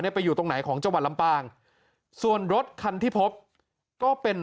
ไปอยู่ตรงไหนของจังหวัดลำปางส่วนรถคันที่พบก็เป็น